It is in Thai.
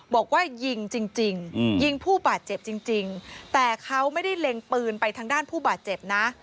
บอกว่ายิงจริงยิงผู้บาดเจ็บจริงแต่เขาไม่ได้เล็งปืนไปทางด้านผู้บาดเจ็บนะ